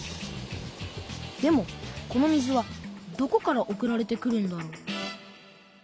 でもこの水はどこから送られてくるんだろう。